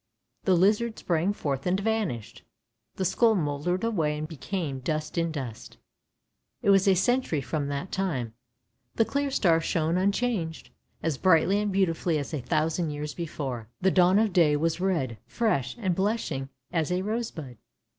The lizard sprang forth and vanished ; the skull mouldered away and became dust in dust. It was a century from that time. The clear star shone unchanged, as brightly and beautifully as a thousand years before; the dawn of day was red, fresh, and blushing as a rose bud.